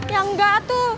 ya enggak tuh